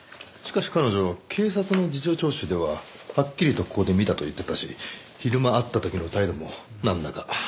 しかし彼女警察の事情聴取でははっきりとここで見たと言ってたし昼間会った時の態度もなんだか。